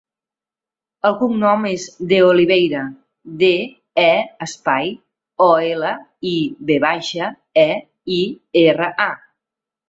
El cognom és De Oliveira: de, e, espai, o, ela, i, ve baixa, e, i, erra, a.